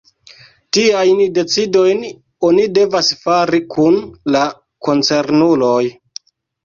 Tiajn decidojn oni devas fari kun la koncernuloj.